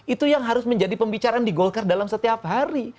itu yang harus menjadi pembicaraan di golkar dalam setiap hari